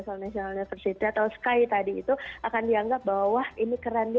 soal national university atau sky tadi itu akan dianggap bahwa ini keren dia